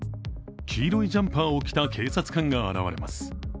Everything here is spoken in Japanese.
黄色いジャンパーを来た警察官が現れます。